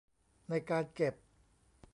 ในการเก็บ